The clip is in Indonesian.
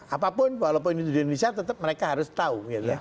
apapun walaupun ini di indonesia tetap mereka harus tahu